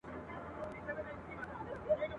خره لېوه ته ویل گوره لېوه جانه ..